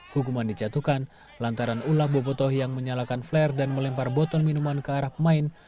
hukuman dijatuhkan lantaran ulah bobotoh yang menyalakan flare dan melempar botol minuman ke arah pemain